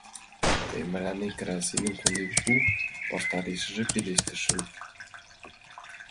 Тый мыланем красиным конден пу, — ваштарешыже пелештышым.